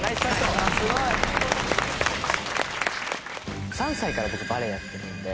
すごい！３歳から僕バレエやってるんで。